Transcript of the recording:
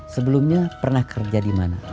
sebelumnya pernah kerja dimana